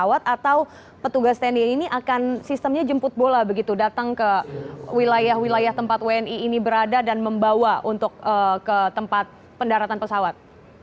atau petugas tni ini akan sistemnya jemput bola begitu datang ke wilayah wilayah tempat wni ini berada dan membawa untuk ke tempat pendaratan pesawat